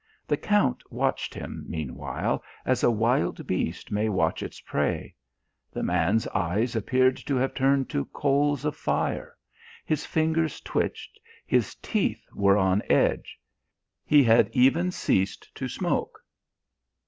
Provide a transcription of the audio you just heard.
The Count watched him, meanwhile, as a wild beast may watch its prey. The man's eyes appeared to have turned to coals of fire; his fingers twitched; his teeth were on edge he had even ceased to smoke.